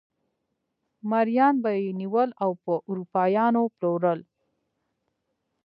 مریان به یې نیول او پر اروپایانو پلورل.